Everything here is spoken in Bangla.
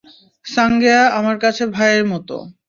সাঙ্গেয়া আমার কাছে ভাইয়ের মতো।